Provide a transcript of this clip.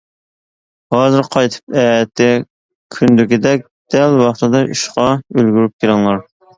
ھازىر قايتىپ، ئەتە كۈندىكىدەك دەل ۋاقتىدا ئىشقا ئۈلگۈرۈپ كېلىڭلار!